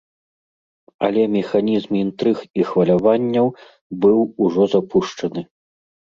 Але механізм інтрыг і хваляванняў быў ужо запушчаны.